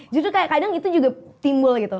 justru kayak kadang itu juga timbul gitu